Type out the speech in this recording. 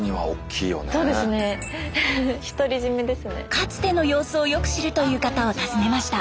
かつての様子をよく知るという方を訪ねました。